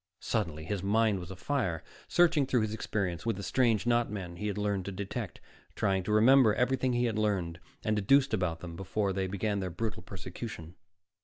Suddenly, his mind was afire, searching through his experience with the strange not men he had learned to detect, trying to remember everything he had learned and deduced about them before they began their brutal persecution.